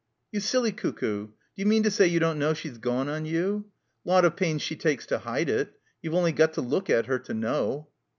"You silly cuckoo, d'you mean to say you don't know she's gone on you ? Lot of pains she takes to hide it. You've only got to look at her to know."